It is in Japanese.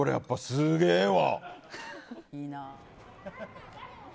すげえわ！